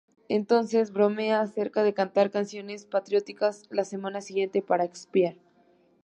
Entonces bromea acerca de cantar canciones patrióticas la semana siguiente para expiar.